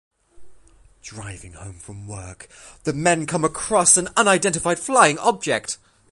Driving home from work, the men come across an unidentified flying object.